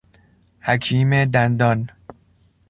حکیم دندان